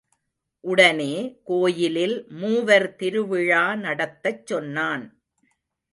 உடனே, கோயிலில் மூவர் திருவிழா நடத்தச் சொன்னான்.